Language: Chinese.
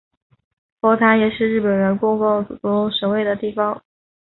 佛坛也是日本人供奉祖宗神位的地方。